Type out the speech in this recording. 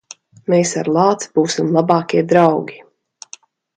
Mēs ar lāci būsim labākie draugi.